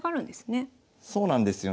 そうなんですよね。